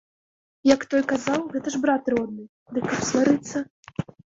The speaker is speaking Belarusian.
Як той казаў, гэта ж брат родны, дык каб сварыцца?